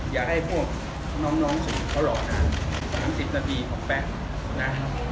อยากให้พวกน้องเขารอนาน๓๐นาทีของแป๊ะนะ